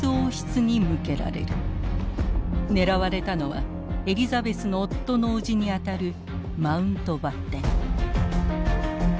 狙われたのはエリザベスの夫のおじにあたるマウントバッテン。